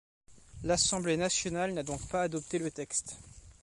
L'Assemblée nationale n'a donc pas adopté le texte.